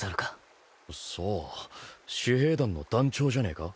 さあ私兵団の団長じゃねえか？